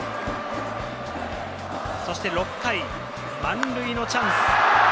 そして６回、満塁のチャンス。